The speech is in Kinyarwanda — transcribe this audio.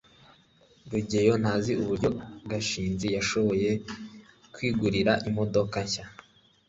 rugeyo ntazi uburyo gashinzi yashoboye kwigurira imodoka nshya